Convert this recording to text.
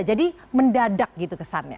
jadi mendadak gitu kesannya